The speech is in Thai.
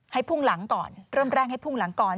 พุ่งหลังก่อนเริ่มแรกให้พุ่งหลังก่อน